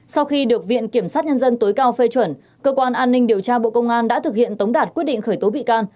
sau khi được viện kiểm sát nhân dân tối cao phê chuẩn cơ quan an ninh điều tra bộ công an đã thực hiện tống đạt quyết định khởi tố bị can